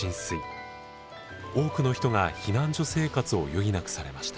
多くの人が避難所生活を余儀なくされました。